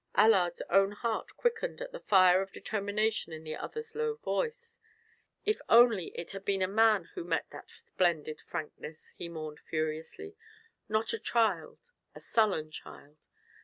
Allard's own heart quickened at the fire of determination in the other's low voice. If only it had been a man who met that splendid frankness, he mourned furiously, not a child, a sullen child.